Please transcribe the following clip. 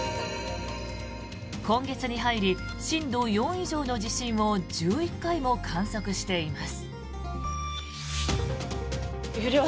今月に入り、震度４以上の地震を１１回も観測しています。